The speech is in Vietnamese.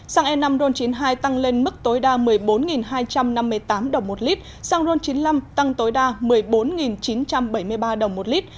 xăng e năm ron chín mươi hai tăng lên mức tối đa một mươi bốn hai trăm năm mươi tám đồng một lít xăng ron chín mươi năm tăng tối đa một mươi bốn chín trăm bảy mươi ba đồng một lít